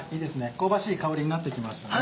香ばしい香りになってきましたね。